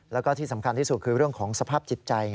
แล้วก็ที่สำคัญที่สุดคือเรื่องของสภาพจิตใจ